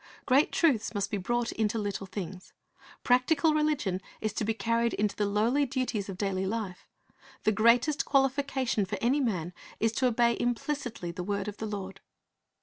Great truths must be brought into little things. Practical religion is to be carried into the lowly duties of daily life. The greatest qualification for any man is to obey implicitly the word of the Lord.